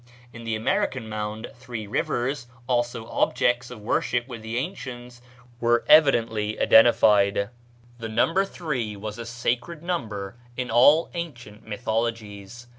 In the American mound three rivers (also objects of worship with the ancients) were evidently identified. The number three was a sacred number in all ancient mythologies.